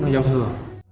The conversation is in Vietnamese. nó giao thừa